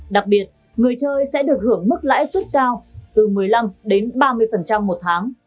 đặc biệt người chơi sẽ được hưởng mức lãi suất cao từ một mươi năm đến ba mươi một tháng